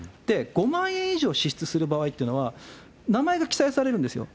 ５万円以上支出する場合っていうのは、名前が記載されるんですよ。